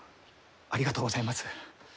ありがとうございます。